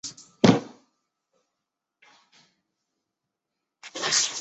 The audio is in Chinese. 德雷下韦雷的一部分。